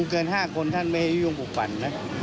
มันเป็นชุมนุมเกิน๕คนท่านไม่ให้ยุ่งปกปั่นนะ